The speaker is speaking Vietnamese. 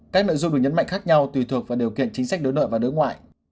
các nội dung được nhấn mạnh khác nhau tùy thuộc vào điều kiện chính sách đối nội và đối ngoại